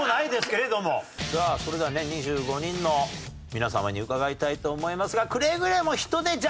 さあそれではね２５人の皆様に伺いたいと思いますが。